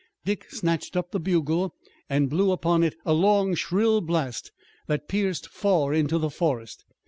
Dick snatched up the bugle and blew upon it a long shrill blast that pierced far into the forest.